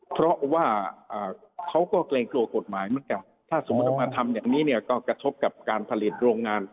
เพราะว่าเขาก็เกรงกลัวกฎหมายเหมือนกันถ้าสมมุติจะมาทำอย่างนี้เนี่ยก็กระทบกับการผลิตโรงงาน